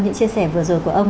những chia sẻ vừa rồi của ông